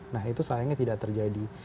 nah itu sayangnya tidak terjadi